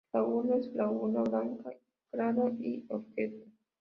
Lagunas: Laguna Blanca, Clara y la Horqueta.